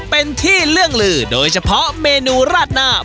เป็นที่เรื่องลือโดยเฉพาะเมนูราดหน้า